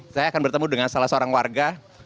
saya akan bertemu dengan salah seorang warga